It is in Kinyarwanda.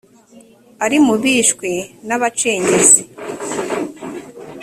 ari mu bishwe n’abacengezi